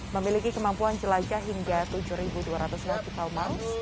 memiliki kemampuan jelajah hingga tujuh dua ratus lebar kipau maus